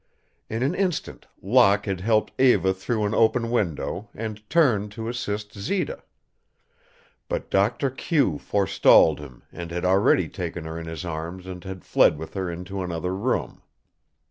In an instant Locke had helped Eva through an open window and turned to assist Zita. But Doctor Q forestalled him and had already taken her in his arms and had fled with her into another room.